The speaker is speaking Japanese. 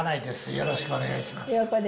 よろしくお願いします。